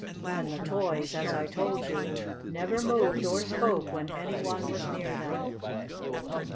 And the toys, as I told you, never moved or spoke when any one was near them.